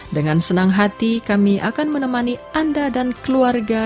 dengan senang hati kami akan menemani anda dan keluarga